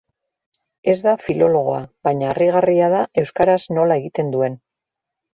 Ez da filologoa, baina harrigarria da euskaraz nola egiten duen.